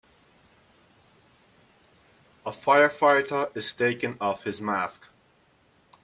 A firefighter is taking off his mask.